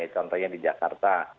contohnya di jakarta